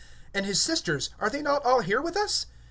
(56)And his sisters, are they not all with us?